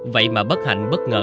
vậy mà bất hạnh bất ngờ